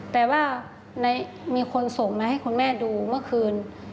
แต่ว่ามีคนส่งมาให้คุณแม่ดูเมื่อคืน